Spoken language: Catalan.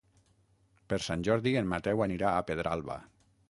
Per Sant Jordi en Mateu anirà a Pedralba.